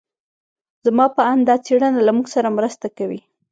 زما په اند دا څېړنه له موږ سره مرسته کوي.